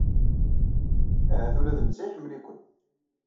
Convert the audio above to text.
Ahat ula d netta iḥemmel-iken.